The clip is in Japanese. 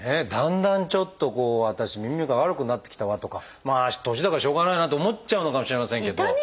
だんだんちょっと私耳が悪くなってきたわとかまあ年だからしょうがないなと思っちゃうのかもしれませんけど。